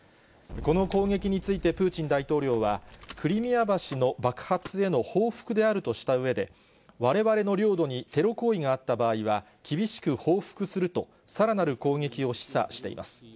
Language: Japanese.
この攻撃についてプーチン大統領は、クリミア橋の爆発への報復であるとしたうえで、われわれの領土にテロ行為があった場合は、厳しく報復すると、さらなる攻撃を示唆しています。